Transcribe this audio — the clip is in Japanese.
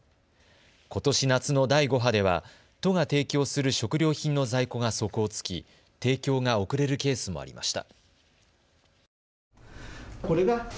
ことし夏の第５波では都が提供する食料品の在庫が底をつき、提供が遅れるケースもありました。